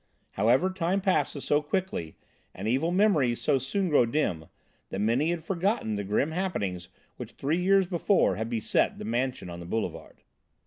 However, time passes so quickly and evil memories so soon grow dim that many had forgotten the grim happenings which three years before had beset the mansion on the Boulevard.